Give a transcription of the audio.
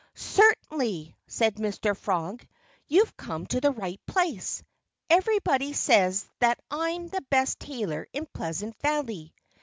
"Certainly!" said Mr. Frog. "You've come to the right place. Everybody says that I'm the best tailor in Pleasant Valley."